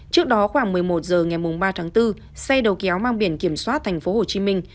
trước đó khoảng một mươi một giờ ngày ba tháng bốn xe đầu kéo mang biển kiểm soát thành phố hồ chí minh